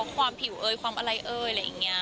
ความผิวเอ่ยความอะไรเอ่ย